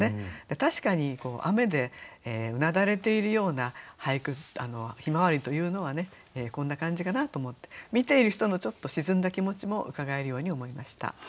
確かに雨でうなだれているような向日葵というのはこんな感じかなと思って見ている人のちょっと沈んだ気持ちもうかがえるように思いました。